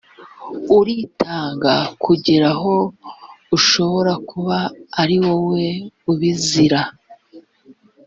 uritanga kugeraho ushobora kuba ari wowe ubizira